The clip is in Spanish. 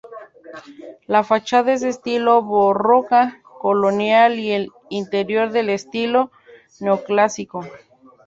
La fachada es de estilo barroca colonial y el interior de estilo neoclásico.